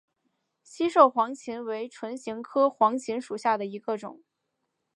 西畴黄芩为唇形科黄芩属下的一个种。